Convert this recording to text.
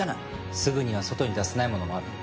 すぐには外に出せないものもある。